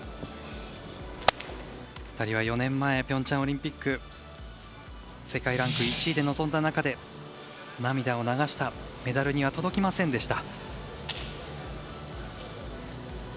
２人は４年前ピョンチャンオリンピック世界ランク１位で臨んだ中で涙を流したメダルには届きませんでした。